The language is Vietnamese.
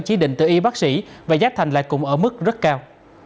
chỉ định từ y bác sĩ và giá thành lại cũng ở mức rất cao